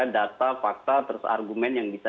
data fakta terus argumen yang bisa